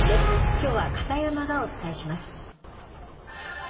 きょうは片山がお伝えします。